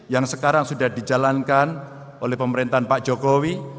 yang sekarang sudah dijalankan oleh pemerintahan pak jokowi